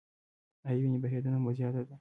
ایا وینې بهیدنه مو زیاته ده؟